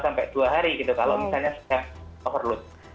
sampai dua hari gitu kalau misalnya sudah overload